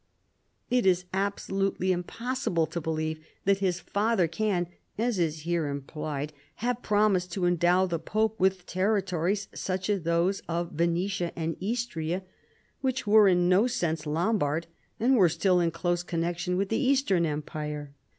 It is absolutel}^ impossible to believe that his father can (as is here implied) have promised to endow the pope with territories such as those of Yenetia and Istria, which were in no sense Lombard, and were still in close connection with the Eastern Empire.